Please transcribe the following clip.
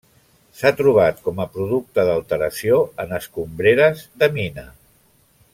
S’ha trobat com a producte d’alteració en escombreres de mina.